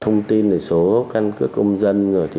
thông tin số căn cước công dân